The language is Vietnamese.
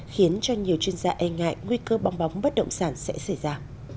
khiến cho nhiều chuyên gia e ngại nguy cơ bong bóng bất động sản sẽ xảy ra